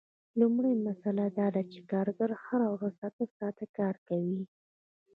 لومړۍ مسئله دا ده چې کارګر هره ورځ اته ساعته کار کوي